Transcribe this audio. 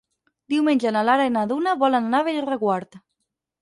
Diumenge na Lara i na Duna volen anar a Bellreguard.